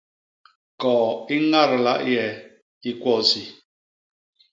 Koo i ñadla i e i kwo isi.